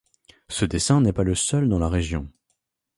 Ce dessin n'est pas le seul dans la région.